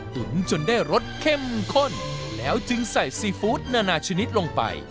ตุ๋นจนได้รสเข้มข้นแล้วจึงใส่ซีฟู้ดนานาชนิดลงไป